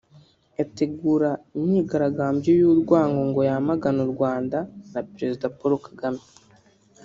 ategura imyigaragambyo y’urwango ngo yamagana u Rwanda na Perezida Paul Kagame